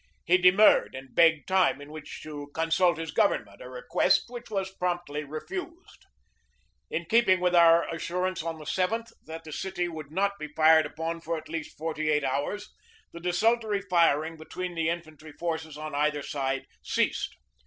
He demurred and begged time in which to consult his government, a request which was promptly refused. 1 Appendix G. 276 GEORGE DEWEY In keeping with our assurance on the yth that the city would not be fired upon for at least forty eight hours the desultory firing between the infan try forces on either side ceased.